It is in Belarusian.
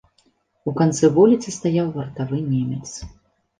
У канцы вуліцы стаяў вартавы немец.